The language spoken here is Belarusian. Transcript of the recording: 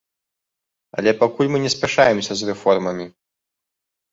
Але пакуль мы не спяшаемся з рэформамі.